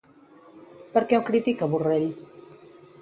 Per què ho critica Borrell?